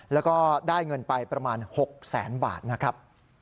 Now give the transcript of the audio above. แล้วก็ได้เงินไปประมาณ๖แสนบาทนะครับ